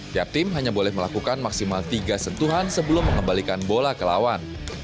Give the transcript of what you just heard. tiap tim hanya boleh melakukan maksimal tiga sentuhan sebelum mengembalikan bola ke lawan